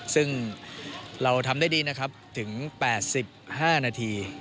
ซึ่งเราทำได้ดีนะครับถึง๘๕นาที